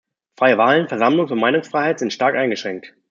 Freie Wahlen, Versammlungs- und Meinungsfreiheit sind stark eingeschränkt.